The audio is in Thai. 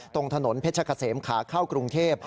ตรงถนนเพชรกะเสมขาเข้ากรุงเทพ